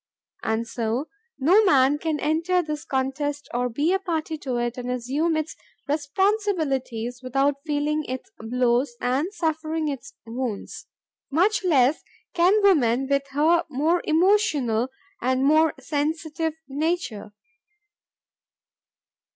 And as no man can enter this contest or be a party to it and assume its responsibilities without feeling its blows and suffering its wounds, much less can woman with her more emotional and more sensitive nature.